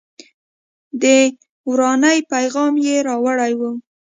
د ورانۍ پیغام یې راوړی و.